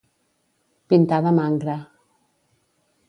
Pintar de mangra.